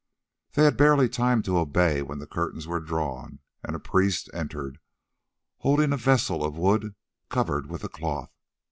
They had barely time to obey when the curtains were drawn, and a priest entered, holding a vessel of wood covered with a cloth.